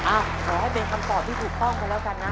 ขอให้เป็นคำตอบที่ถูกต้องกันแล้วกันนะ